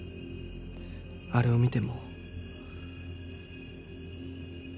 あれを見ても？